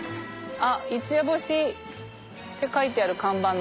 「一夜干し」って書いてある看板の。